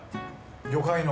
魚介の。